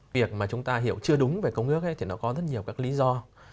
việc mà chúng ta hiểu chưa đúng về công ước thì nó có rất nhiều các lý do